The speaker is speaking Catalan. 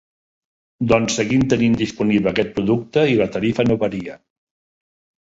Doncs seguim tenint disponible aquest producte i la tarifa no varia.